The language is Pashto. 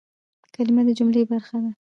کلیمه د جملې برخه ده.